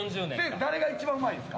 誰が一番うまいんですか？